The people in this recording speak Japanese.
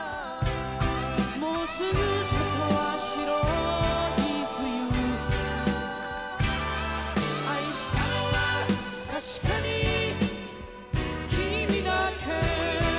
「もうすぐ外は白い冬」「愛したのはたしかに君だけ」